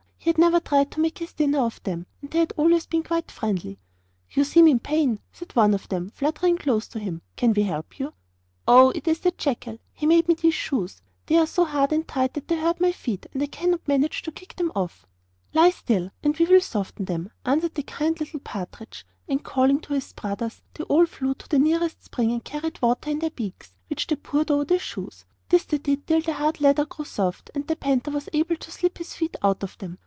He had never tried to make his dinner off them, and they had always been quite friendly. 'You seem in pain,' said one of them, fluttering close to him, 'can we help you?' 'Oh, it is the jackal! He made me these shoes; they are so hard and tight that they hurt my feet, and I cannot manage to kick them off.' 'Lie still, and we will soften them,' answered the kind little partridge. And calling to his brothers, they all flew to the nearest spring, and carried water in their beaks, which they poured over the shoes. This they did till the hard leather grew soft, and the panther was able to slip his feet out of them.